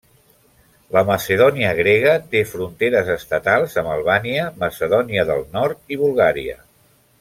La Macedònia grega té fronteres estatals amb Albània, Macedònia del Nord i Bulgària.